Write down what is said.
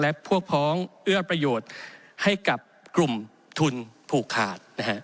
และพวกพ้องเอื้อประโยชน์ให้กับกลุ่มทุนผูกขาด